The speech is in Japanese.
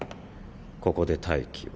ここで待機を。